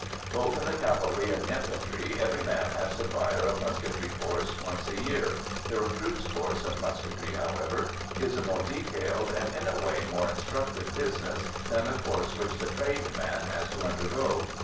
Both in the cavalry and infantry, every man has to fire a musketry course once a year; the recruit's course of musketry, however, is a more detailed and, in a way, a more instructive business than the course which the trained man has to undergo.